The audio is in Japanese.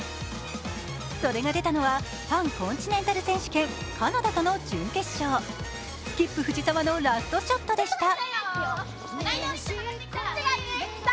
それが出たのはパンコンチネンタル選手権、カナダとの準決勝スキップ・藤澤のラストショットでした。